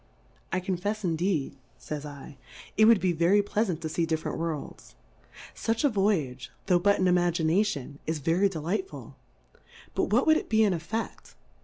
I confefs indeed, fa)'s 7, it would be very plea lant to fee different Worlds; fuch a Voyage, tho' but in Imagination, is ve ry delightful ; but what would it be in EtfeQ: ?